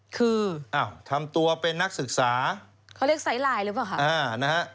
คืออ้าวทำตัวเป็นนักศึกษาเขาเรียกไซส์ไลน์หรือเปล่าคะ